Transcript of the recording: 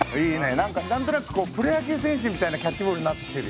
何か何となくプロ野球選手みたいなキャッチボールになってきてるよ。